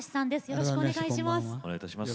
よろしくお願いします。